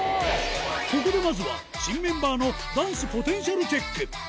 ここでまずは、新メンバーのダンスポテンシャルチェック。